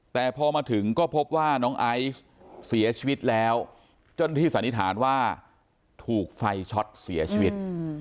แต่พอมาถึงก็พบว่าน้องไอซ์เสียชีวิตแล้วจนที่สันนิษฐานว่าถูกไฟช็อตเสียชีวิต